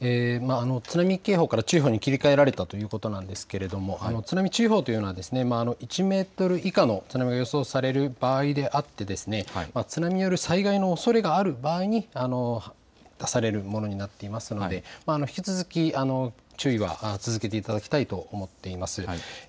津波警報から注意報に切り替えられたということですが、津波注意報というのは１メートル以下の予想される場合であって津波による災害のおそれがある場合に出されるものになっていますので引き続き注意は続けていただきたいと思っています。